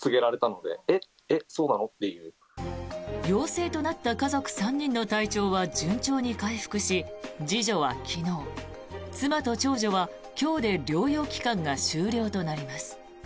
陽性となった家族３人の体調は順調に回復し次女は昨日、妻と長女は今日で療養期間が終了となります。